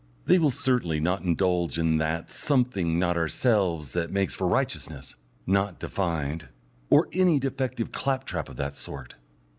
They will certainly not indulge in "that something, not ourselves, that makes for righteousness" (not defined) or any defective claptrap of that sort.